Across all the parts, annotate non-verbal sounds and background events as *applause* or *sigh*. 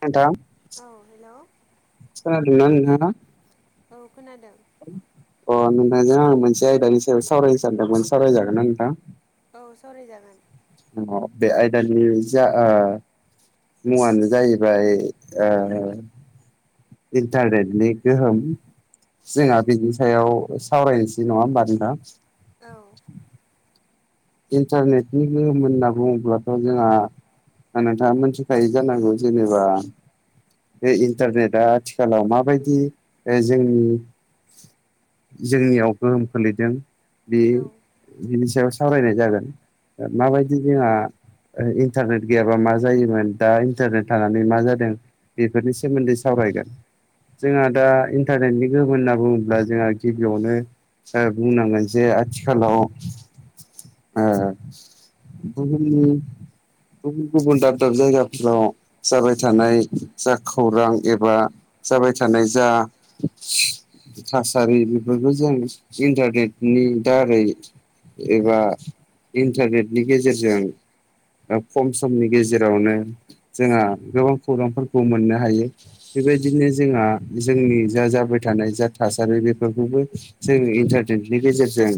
नोंथां औ हेलौ खोनादोंना नोंथांङा? औ खोनादों। नोंजों आं मोनसे आयदानि सायाव सावरायनो सानदोंमोन सावराय जागोनना नोंथां? औ सावराय जागोन। अ बे आयदानि जा ओ मुङानो जाहैबाय ओ इन्टारनेटनि गोहोम औ जोंहा बिनि सायाव सावरायनोसै नङा होमबा नोंथां? औ। इन्टारनेटनि गोहोम होनना बुङोब्लाथ' जोंहा नोंथाङा मिथिखायो जानांगौ जेनेबा बे इन्टारनेटआ आथिखालाव माबायदि जोंनि जोंनियाव गोहोम खोलैदों बे उम बिनि सायाव सावरायनाय जागोन उम माबायदि जोंहा इन्टारनेट गैयाबा मा जायोमोन दा इन्टारनेट थानानै मा जादों? बेफोरनि सोमोन्दै सावरायगोन उम जोंहा दा इन्टारनेटनि गोहोम होनना बुङोब्ला जोंहा गिबियावनो जाहा बुंनांगोन जे आथिखालाव ओ बुहुमनि गुबुन गुबुन दाब दाब जायगाफोराव जाबाय थानाय जा खौरां एबा जाबाय थानाय जा थासारि बेफोरखौ जों इन्टारनेटनि दारै एबा इन्टारनेटनि गेजेरजों खम समनि गेजेरावनो जोंहा गोबां खौरांफोर खौ मोननो हायो बेबायदिनो जोंहा जोंनि जा जाबाय थानाय जा थासारि बेफोरखौ जों इन्टारनेटनि गेजेरजों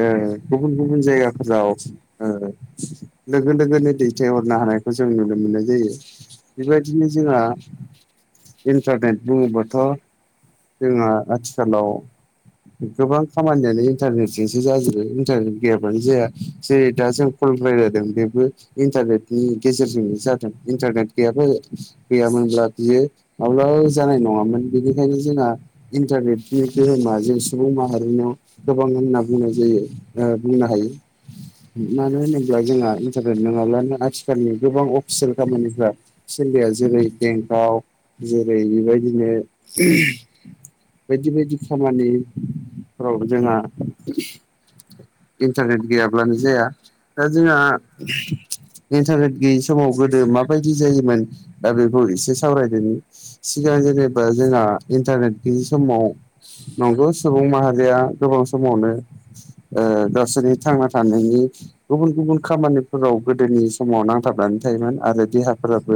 ओ गुबुन गुबुन जायगाफोराव ओ लोगो लोगोनो दैथायहरनो हानाय खौ जों नुनो मोननाय जायो उम बेबायदिनो जोंहा इन्टारनेट बुङोबाथ' जोंहा आथिखालाव गोबां खामानियानो इन्टारनेटजोंसो जाजोबाय इन्टारनेट गैयाबानो जाया जेरै दा जों फन रायलायदों बेबो इन्टारनेटनि गेजेरजोंनो जादों। इन्टारनेट गैयाबो गैयामोनब्ला बियो माब्लाबो जानाय नङामोन बेनिखायनो जोंहा इन्टारनेटनि गोहोमा जों सुबुं माहारिनियाव गोबां होनना बुंनाय जायो। नो हायो मानो होनोब्ला जोंहा इनन्टारनेट नङाब्लानो आथिखालनि गोबां अफिसियेल खामानिफ्रा सलिया जेरै बेंकआव जेरै बेबायदिनो बायदि बायदि खामानिफ्राव जोंहा इन्टारनेट गैयाब्लानो जाया दा जोंहा उम इन्टारनेट गैयि समाव गोदो माबायदि जायोमोन दा बेखौ एसे सावरायदोनि सिगां जेनेबा जोंहा इन्टारनेट गैयि समाव नंगौ सुबुं माहारिया गोबां समाव फनो ओ गावसोरनि थांना थानायनि गुबुन गुबुन खामानिफोराव गोदोनि समाव नांथाबनानै था थायोमोन आरो देहाफोराबो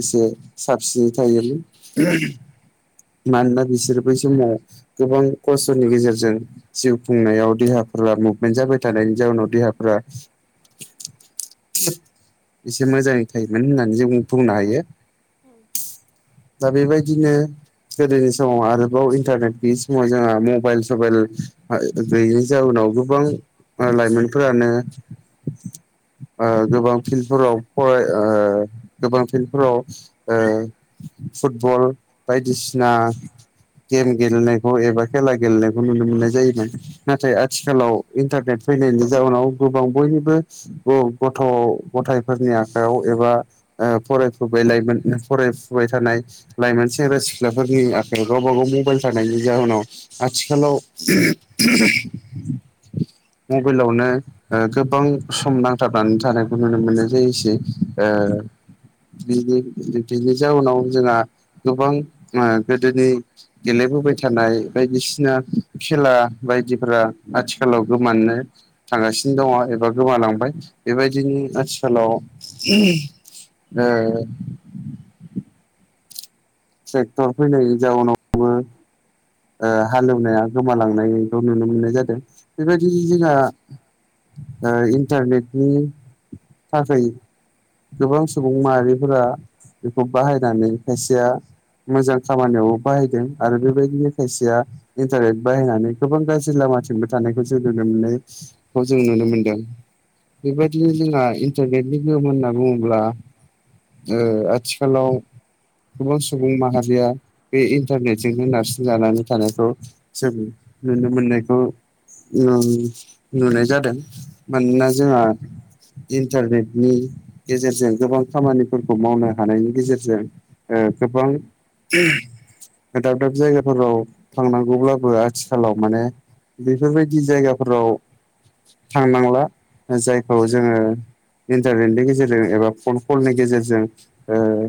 एसे साबसिनै थायोमोन। मानोना बिसोर बै समाव गोबां खस्थ'नि गेजेरजों जिउ खुंनायाव देहा *unintelligible* मुभमेन्ट जाबाय थानायनि जाउनाव देहाफोरा एसे मोजाङै थायोमोन होननानै जों बुंनो हायो। *inaudible* दा बेबायदिनो गोदोनि समाव आरोबाव इन्टारनेट गैयि समाव जोंहा मबाइल सबाइल ओ गैयै जाउनाव गोबां ओ लाइमोनफोरानो ओ गोबां फिल्डफोराव फराय ओ गोबां फिल्डफोराव ओ फुटबल बायदिसिना गेम गेलेनायखौ एबा खेला गेलेनायखौ नुनो मोननाय जायोमोन। नाथाय आथिखालाव इन्टारनेट फैनायनि जाउनाव गोबां बयनिबो ग-गथ' गथ थायफोरनि आखायाव एबा ओ फरायफुबाय लायमोन फरायफुबाय थानाय लायमोन सें सेंग्रा सिख्लाफोरनि आखायाव गावबा गाव मबाइल थानायनि जाहोनाव आथिखालाव *inaudible* मबाइलावनो ओ गोबां सम नांथाबनानै थानायखौ नुनो मोननाय जायोसै ओ ओ बिनि बिब्दिनि जाउनाव जोंहा गोबां ओ गोदोनि गेले बोबाय थानाय बायदिसिना खेला बायदि फोरा आथिखालाव गोमानो थांगासिनो दङ एबा गोमालांबाय बेबायदिनो आथि खालाव ओ ट्रेक्टर फैनायनि जाउनावबो ओ हालेवनाया गोमालांनायखौ नुनो मोननाय जादों बेबायदिनो जोंहा ओ इन्टारनेटनि थाखाय गोबां सुबुं माहारिफोरा बेखौ बाहायनानै खायसेया मोजां खामानियाव बाहायदों आरो बेबायदिनो खायसेया इन्टारनेट बाहायनानै गोबां गाज्रि लामाथिंबो थानायखौ जों *unintelligible* खौ जों नुनो मोनदों। बेबायदिनो जोंहा इन्टारनेटनि गोहोम होनना बुङोब्ला ओ आथिखालाव गोबां सु सुबुं माहारिया बे इन्टारनेटजोंनो नारसिनजानानै थानायखौ जों नुनो मोन नायखौ नुन-नुनाय जादों मानोना जोंहा इन्टारनेटनि गेजेरजों गोबां खामानिफोरखौ मावनो हानायनि गेजेरजों ओ गोबां दाब दाब जायगाफोराव थांनांगौब्लाबो आथिखालाव माने बेफोरबायदि जायगाफोराव थांनांला जायखौ जोङो इन्टारनेटनि गेजेरजों एबा फन कलनि गेजेरजों ओ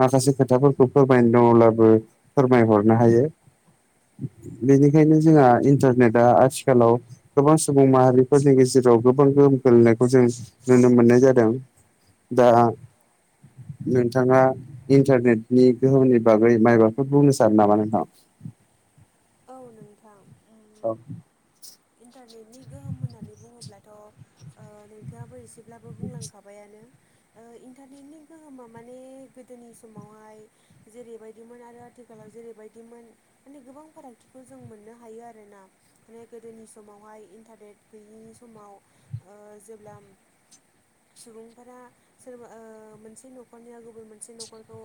माखासे खोथाफोरखौ फोरमायनो दङब्लाबो फोरमायहरनो हायो। बेनिखायनो जोंहा इन्टारनेटआ आथिखालाव गोबां सुबुं माहारिफोरनि गेजेर राव गोबां गोहोम गोलैनायखौ जों नुनो मोन्नाय जादों दा नोंथाङा इन्टारनेटनि गोहोमनि बागै माइबाफोर बुंनो सानो नामा नोंथां? औ नोंथां उम इन्टारनेटनि गोहोम होननानै बुङोब्ला *inaudible* ओ नोंथाङाबो एसेब्लाबो बुंलांखाबायानो ओ इन्टारनेटनि गोहोमा माने गोदोनि समावहाय जेरैबायदिमोन आरो आथिखालाव जेरैबायदिमोन माने गोबां फाराग खौ जों मोननो हायो आरो ना माने गोदोनि समावहाय इन्टारनेट गैयिनि समाव ओ जेब्ला सुबुंफोरा सोरबा ओ मोनसे न'खरनिया गुबुन मोनसे न'खरखौ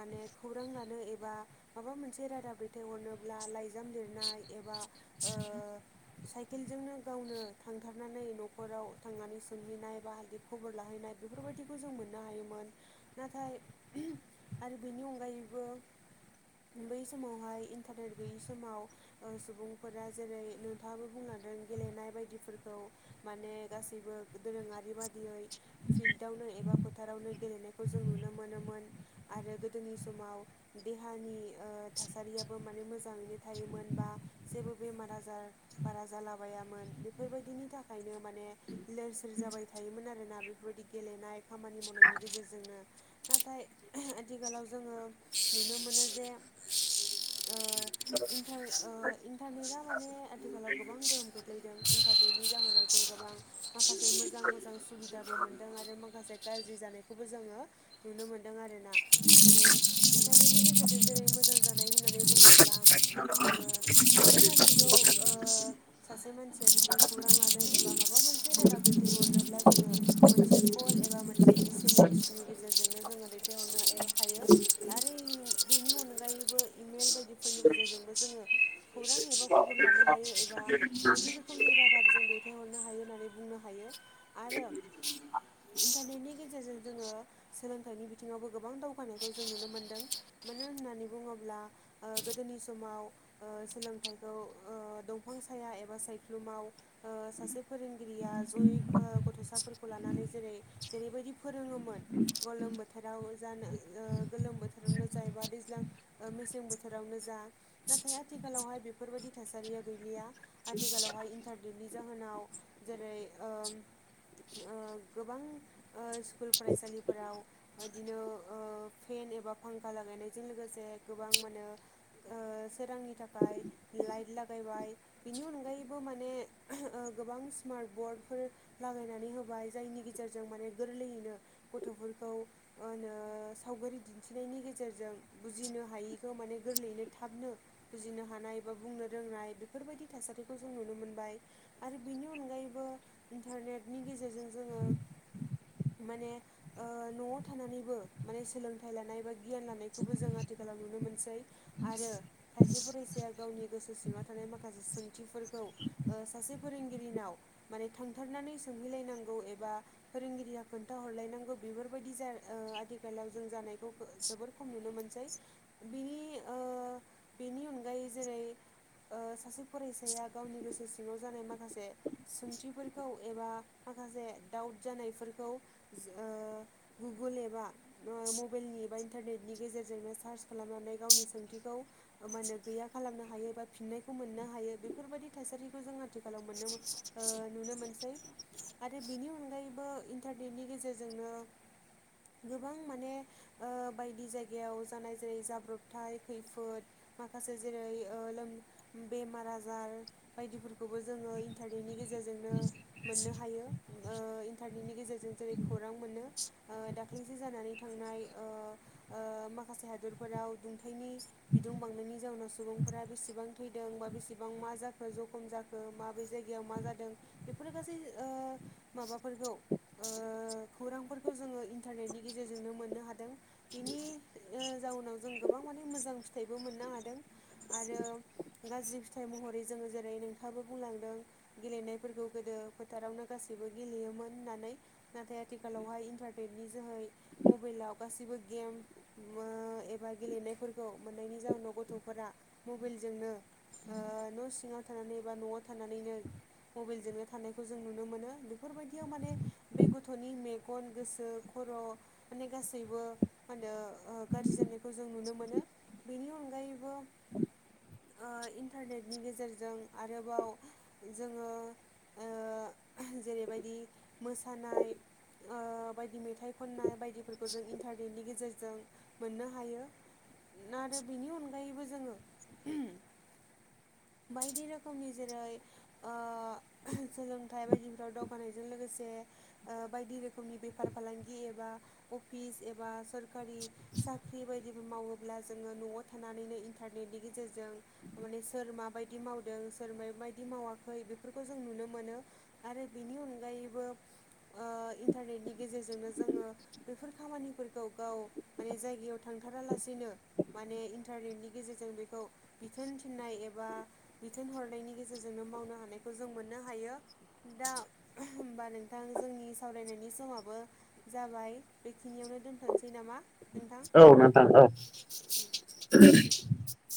माने खौरां लानो एबा माबा मोनसे रादाब दैथाय हरनोब्ला लाइजाम लिरनाय एबा ओ *inaudible* साइकेलजोंनो गावनो थांथारनानै न'खराव थांनानै सोंहैनाय बाइदि खबर लाहैनाय। बेफोरबायदिखौ जों मोननो हायोमोन नाथाय। आरो बेनि अनगायैबो बै समावहाय इन्टारनेट गैयि। समाव सुबुंफोरा जेरै नोंथाङाबो बुंलांदों गेलेनाय बायदिफोरखौ माने। गासैबो दोरोङारि बादियै फिल्डआवनो एबा फोथारावनो गेलेनायखौ जों नुनो मोनो। मोन आरो गोदोनि समाव देहानि ओ थासारियाबो माने मोजाङैनो। थायोमोन बा जेबो बेमार आजार बारा जालाबायामोन बेफोरबायदिनि थाखायनो माने। लोर-सोर जाबाय थायोमोन आरोना बेफोरबायदि गेलेनाय खामानि मावनायनि गेजेरजोंनो। नाथाय आथिखालाव जोङो नुनो मोनो जे। ओ इन्टार ओ इन्टारनेटआ माने आथिखालाव गोबां गोहोम खोख्लैदों इन्टारनेटनि जाहोनाव जों गोबां। माखासे मोजां-मोजां सुबिदाबो मोनदों आरो माखासे। गाज्रि जानायखौबो जोङो नुनो मोन्दों आरोना। माने इन्टारनेटनि गेजेरजों जेरै मोजां जानाय होननानै बुङोब्ला। जोङो सासे मानसिखौ ओ सासे मानसिया जुदि खौरां लानो एबा माबा मोन। मोनसे रादाब दैथायहरनोब्ला जोङो मोनसे कल एबा मोनसे एस-एम-एस नि गेजेरजोंनो जोङो। दैथायहरनो हायो आरो बेनि अनगायैबो इमेल बायदिफोरनि गेजेरजों। जोङो खौरां एबा खबर लानो हायो एबा बायदि रोखोमनि रादाब जों बे। दैथायहरनो हायो होननानै बुंनो हायो आरो। इन्टारनेटनि गेजेरजों जोङो सोलोंथाइनि बिथिङावबो गोबां दावगानायखौ जों नुनो मोनदों। मानो होननानै बुङोब्ला ओ गोदोनि। समाव ओ सोलोंथाइखौ ओ दंफां साया एबा सायख्लुमाव ओ सासे। फोरोंगिरिया ज'यै गथ'साफोरखौ लानानै जेरै-जेरैबायदि फोरोङोमोन। गोलोम बोथोराव जानो ओ गोलोम बोथोरावनो जा एबा दैज्लां मेसें बोथोरावनो जा। नाथाय आथिखालावहाय बेफोरबायदि थासारिया गैलिया आथिखालावहाय इन्टारनेटनि जाहोनाव। जेरै ओ। ओ गोबां ओ स्कुल फरायसालिफोराव बिदिनो ओ फेन। एबा फांखा जागायनायजों लोगोसे गोबां मानो। *inaudible* सोरांनि थाखाय लाइट लागायबाय बिनि अनगायैबो माने ओ गोबां। स्मार्ट बर्डफोर लागायनानै होबाय जायनि गेजेरजों माने गोरलैयैनो गथ'फोरखौ। होनो सावगारि दिन्थिनायनि गेजेरजों बुजिनो हायिखौ माने गोरलैयैनो। थाबनो बुजिनो हानाय बा बुंनो रोंनाय बेफोरबायदि थासारिखौ जों नुनो मोनबाय आरो बे। बेनि अनगायैबो इन्टारनेटनि गेजेरजों जोङो। माने ओ न'आव थानानैबो माने सोलोंथाइ लानाय बा गियान लानायखौबो जों आथिखा। लाव नुनो मोनसै। आरो खायसे फरायसाया गावनि गोसो सिङाव थानाय माखासे सोंथिफोरखौ सासे फोरों। फोरोंगिरिनाव माने थांथारनानै सोंहैलायनांगौ एबा फोरोंगिरिया खोन्थाहरलायनांगौ बे। बेफोरबायदि जा आथिखालाव जों जानायखौ जोबोर खम नुनो मोनसै बिनि। ओ बेनि अनगायै जेरै *inaudible* ओ सासे फरायसाया गावनि गोसो सिङाव जानाय माखासे सोंथिफोरखौ एबा। माखासे दाउट जानायफोरखौ ओ गुगोल एबा मबाइलनि ब। इन्टारनेटनि गेजेरजोंनो सार्च खालामनानै गावनि। थिखौ मा होने गैया खालामनो हायो बा फिननायखौ मोननो हायो बेफोरबायदि थासारिखौ जों आथिखालाव। मोन ओ नुनो मोनसै। आरो बिनि अनगायैबो इन्टारनेटनि गेजेरजोंनो। गोबां माने ओ बायदि जायगायाव जानाय जेरै जाब्रबथाय। खैफोद माखासे जेरै ओ बेमार-आजार बायदिफोरखौबो जोङो। ओ इन्टारनेटनि गेजेरजोंनो मोननो हायो ओ इन्टारनेटनि गेजेरजों जेरै खौरां मोनो। ओ दाख्लैसो जानानै थांनाय ओ-ओ माखासे हादरफोराव दुथांनि। बिदुं बांनायनि जाउनाव सुबुंफोरा बेसेबां थैदों बा बेसेबां मा जाखो जखम जाखो माबायदि जायगायाव मा जादों बेफोर गासै ओ माबाफोरखौ ओ खौरां खौ जोङो इन्टारनेटनि गेजेरजोंनो मोननो हादों बेनि ओ जाउनाव जों गोबां माने मोजां फिथाइबो मोननो हादों आरो गाज्रि फिथाइ महरै जोङो जेरै नोंथाङाबो बुंलांदों गेलेनायफोरखौ गोदो फोथारावनो गासैबो गेलेयोमोन होननानै नाथाय आथिखालावहाय इन्टारनेेटनि जोहै मबाइलाव गासैबो गेम एबा गेलेनायफोरखौ मोननायनि जाउनाव गथफोरा मबाइलजोंनो ओ न सिङाव थानानै एबा नआव थानानैनो मबाइलजोंनो थानायखौ जों नुनो मोनो बेफोरबायदियाव माने बे गथनि मेगन गोसो खर माने गासैबो मा होनो ओ गाज्रि जानायखौ जों नुनो मोनो बेनि अनगायैबो ओ इन्टारनेटनि गेजेरजों आरोबाव जोङो ओ जेरैबायदि मोसानाय ओ बायदि मेथाइ खननाय बाय दिफोरखौ जों इन्टारनेटनि गेजेरजों मोननो हायो। ना आरो बिनि अनगायैबो जोङो बायदि रोखोमनि जेरै ओ सोलोंथाइ बायदिफ्राव दावगानायजों लोगोसे ओ बायदि रोखोमनि बेफार फालांगि एबा अफिस एबा सोर खारि साख्रि बायदिबो मावो अब्ला जोङो नआव थानानैनो इन्टारनेटनि गेजेरजों माने सोर माबायदि मावदों सोर बायदि मावाखै बेफोरखौ जों नुनो मोनो आरो बेनि अनगायैबो ओ इन्टारनेटनि गेजेरजोंनो जोङो बेफोर खामानिफोरखौ गाव माने जायगायाव थांथारालासेनो माने इन्टारनेटनि गेजेरजों बेखौ बिथोन थिननाय एबा बिथोन हर नायनि गेजेरजोंनो मावनो हानाय खौ जों मोननो हायो दा होमबा नोंथां जोंनि सावरायनायनि समाबो जाबाय बेखिनियावनो दोनथनोसै नामा नोंथां? औ नोंथां औ *unintelligible*